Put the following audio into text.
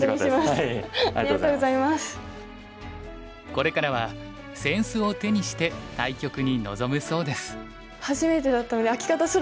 これからは扇子を手にして対局に臨むそうです。